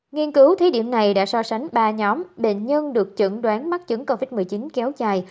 nghiên cứu thí điểm này đã so sánh ba nhóm bệnh nhân được chẩn đoán mắc chứng covid một mươi chín kéo dài